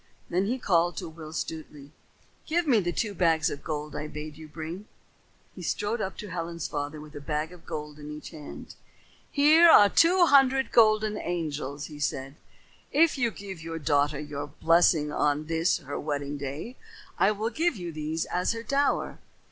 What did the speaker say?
Then he called to Will Stutely. "Give me the two bags of gold I bade you bring." He strode up to Ellen's father with a bag of gold in each hand. "Here are two hundred golden angels," he said. "If you give your daughter your blessing on this her wedding day, I will give you these as her dower.